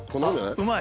うまい。